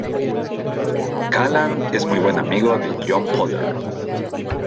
Callan es muy buen amigo de Jon Pollard.